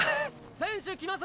選手来ます。